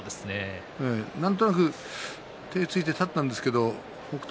なんとなく手をついて立ったんですが北勝